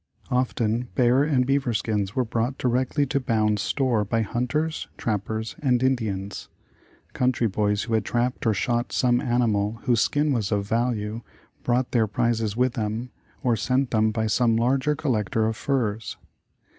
Often bear and beaver skins were brought directly to Bowne's store by hunters, trappers and Indians. Country boys who had trapped or shot some animal whose skin was of value, brought their prizes with them, or sent them by some larger collector of furs.